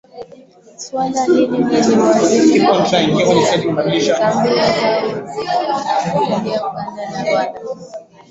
Suala hili liliwalazimu kukimbia kambi zao na kuingia Uganda na Rwanda